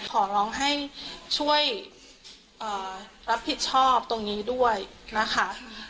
ขอร้องให้ช่วยรับผิดชอบตรงนี้ด้วยนะคะ